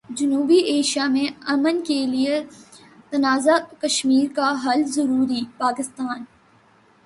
جنوبی ایشیا میں امن کیلئے تنازع کشمیر کا حل ضروری، پاکستان